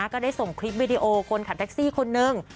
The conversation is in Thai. ก็ได้ส่งคลิปวิดีโอคนขับแท็กซี่คนนึง